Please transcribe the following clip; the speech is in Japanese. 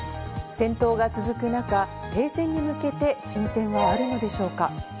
戦闘が続く中、停戦に向けて進展はあるのでしょうか。